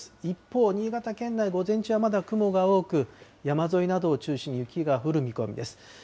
一方、新潟県内、午前中はまだ雲が多く、山沿いなどを中心に雪が降る見込みです。